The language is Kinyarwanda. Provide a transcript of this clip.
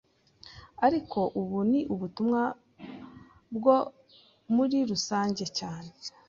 ariko ubu ni ubutumwa bwo muri rusange cyane